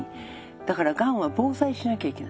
だからがんは防災しなきゃいけない。